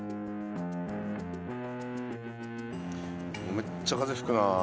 めっちゃ風吹くな。